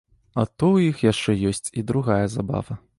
А то ў іх яшчэ ёсць і другая забава.